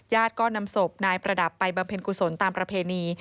ญาติน้ำสบประดับกู่ศลตามประเพณี